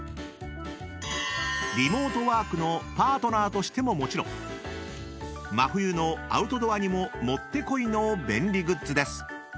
［リモートワークのパートナーとしてももちろん真冬のアウトドアにももってこいの便利グッズです］